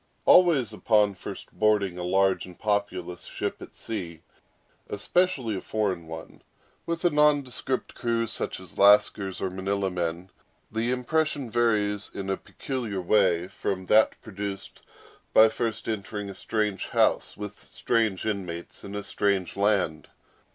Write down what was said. Always upon first boarding a large and populous ship at sea, especially a foreign one, with a nondescript crew such as Lascars or Manilla men, the impression varies in a peculiar way from that produced by first entering a strange house with strange inmates in a strange land.